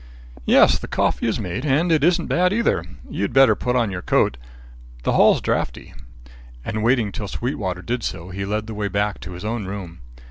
"Yes, the coffee is made and it isn't bad either. You'd better put on your coat; the hall's draughty." And waiting till Sweetwater did so, he led the way back to his own room.